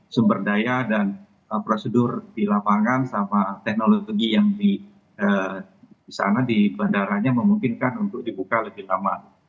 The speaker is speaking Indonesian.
sumber daya dan prosedur di lapangan sama teknologi yang di sana di bandaranya memungkinkan untuk dibuka lebih lama